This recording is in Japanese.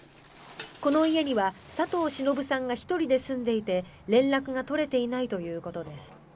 この家には佐藤忍さんが１人で住んでいて連絡が取れていないということです。